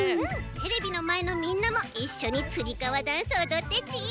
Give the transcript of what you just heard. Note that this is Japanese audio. テレビのまえのみんなもいっしょにつりかわダンスおどってち。